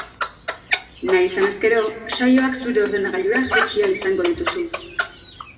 Nahi izan ezkero, saioak zure ordenagailura jaitsi ahal izango dituzu.